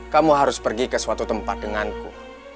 kamu harus pergi ke suatu tempat denganku